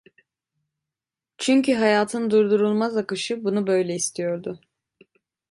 Çünkü hayatın durdurulmaz akışı bunu böyle istiyordu.